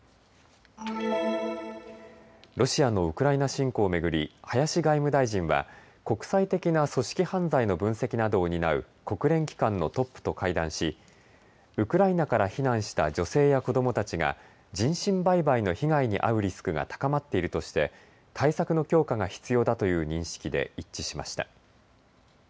ロシアのウクライナ侵攻を巡り林外務大臣は国際的な組織犯罪の分析などを担う国連機関のトップと会談しウクライナから避難した女性や子どもたちが人身売買の被害に遭うリスクが高まっているとして対策の強化が必要だという認識で一致しました。